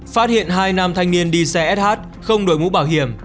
phát hiện hai nam thanh niên đi xe sh không đội ngũ bảo hiểm